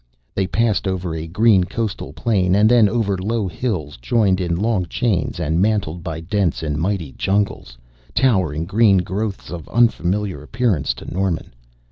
They passed over a green coastal plain and then over low hills joined in long chains and mantled by dense and mighty jungles, towering green growths of unfamiliar appearance to Norman.